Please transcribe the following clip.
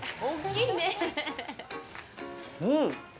うん！